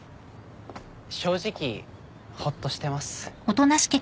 正直ほっとしてます。